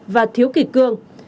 và thiếu kỷ cương